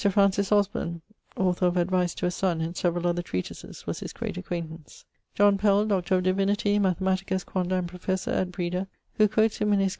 Francis Osburne_, author of 'Advice to a son' and severall other treatises, was his great acquaintance. John Pell, Dr. of Divinity, mathematicus, quondam professor ... at Breda, who quotes him in his ...